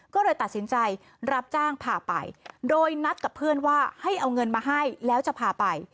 ก็เลยตัดสินใจรับจ้างพาไปโดยนัดกับเพื่อนว่าให้เอาเงินมาให้แล้วจะพาไป